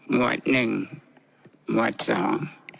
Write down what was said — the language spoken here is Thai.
วดหนึ่งหมวดสอง